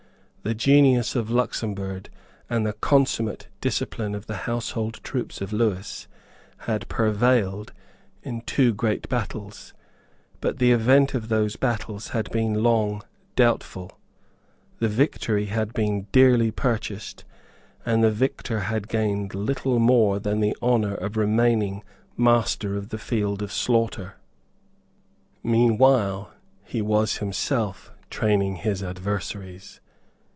The genius of Luxemburg and the consummate discipline of the household troops of Lewis had pervailed in two great battles; but the event of those battles had been long doubtful; the victory had been dearly purchased, and the victor had gained little more than the honour of remaining master of the field of slaughter. Meanwhile he was himself training his adversaries.